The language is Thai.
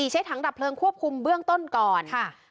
ใช้ถังดับเพลิงควบคุมเบื้องต้นก่อน